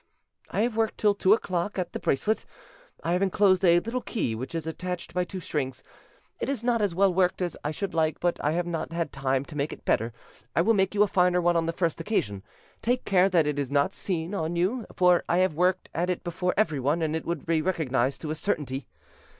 "I have worked till two o'clock at the bracelet; I have enclosed a little key which is attached by two strings: it is not as well worked as I should like, but I have not had time to make it better; I will make you a finer one on the first occasion. Take care that it is not seen on you; for I have worked at it before everyone, and it would be recognised to a certainty.